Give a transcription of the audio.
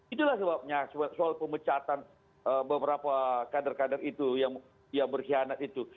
itulah sebabnya soal pemecatan beberapa kader kader itu yang berkhianat itu